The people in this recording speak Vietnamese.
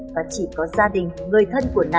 và chỉ có gia đình người thân của nạn